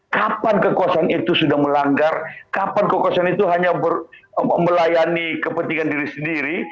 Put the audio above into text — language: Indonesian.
kapan kekuasaan itu sudah melanggar kapan kekuasaan itu hanya melayani kepentingan diri sendiri